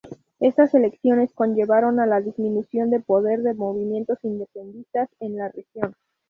Estas elecciones conllevaron a la disminución del poder de movimientos independentistas en la región.